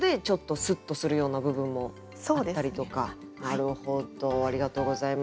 なるほどありがとうございます。